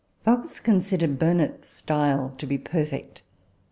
Fox considered Burnet's style to be perfect.